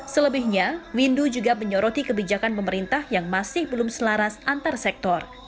selebihnya windu juga menyoroti kebijakan pemerintah yang masih belum selaras antar sektor